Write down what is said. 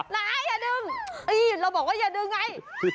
นายอย่าดึงเราบอกว่าอย่าดึงไง